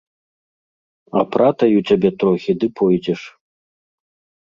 Апратаю цябе трохі ды пойдзеш.